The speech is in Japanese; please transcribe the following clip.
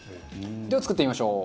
では作ってみましょう。